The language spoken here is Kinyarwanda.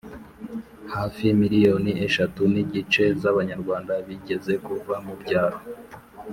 hafi miliyoni eshatu n'igice z'abanyarwanda bigeze kuva mu byaro